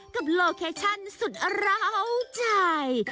กับโลเคชันสุดร้าวใจ